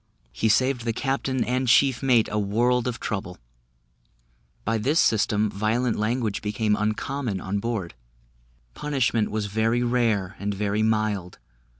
He saved the captain and chief mate a world of trouble; by this system, violent language became uncommon on board, punishment was very rare, and very mild.